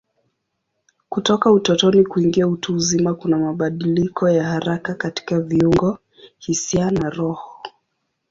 Kutoka utotoni kuingia utu uzima kuna mabadiliko ya haraka katika viungo, hisia na roho.